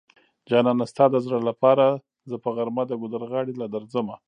جانانه ستا د زړه لپاره زه په غرمه د ګودر غاړی له درځمه